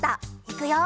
いくよ。